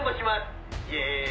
「イエーイ！」